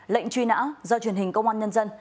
lệnh truy nã do truyền hình công an nhân dân